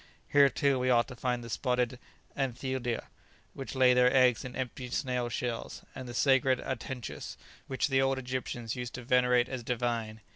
Here, too, we ought to find the spotted anthidia, which lay their eggs in empty snail shells; and the sacred atenchus, which the old Egyptians used to venerate as divine."